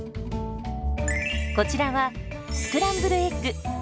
こちらはスクランブルエッグ。